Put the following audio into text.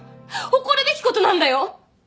誇るべきことなんだよ！